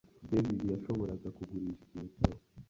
David yashoboraga kugurisha ikintu cyose